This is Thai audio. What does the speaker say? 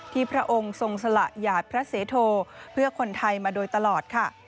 พระองค์ทรงสละหยาดพระเสโทเพื่อคนไทยมาโดยตลอดค่ะ